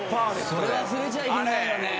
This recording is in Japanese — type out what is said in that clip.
「それ忘れちゃいけないよね」